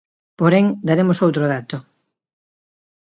Porén, daremos outro dato.